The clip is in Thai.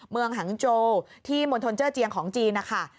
เมืองหังโจที่มณฑลเจ้อเจียงของจีนค่ะ